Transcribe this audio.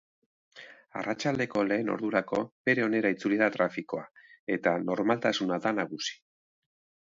Arratsaldeko lehen ordurako bere onera itzuli da trafikoa, eta normaltasuna da nagusi.